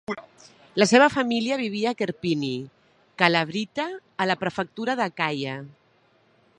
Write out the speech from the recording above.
La seva família vivia a Kerpini, Kalavryta a la prefectura d'Acaia.